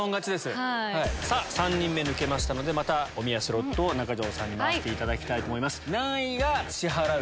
さぁ３人目抜けましたのでおみやスロットを中条さんに回していただきたいと思います。